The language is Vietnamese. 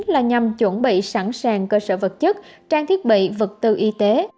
là nhằm chuẩn bị sẵn sàng cơ sở vật chất trang thiết bị vật tư y tế